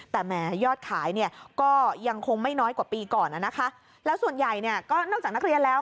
แต่แหมยอดขายเนี่ยก็ยังคงไม่น้อยกว่าปีก่อนนะคะแล้วส่วนใหญ่เนี่ยก็นอกจากนักเรียนแล้ว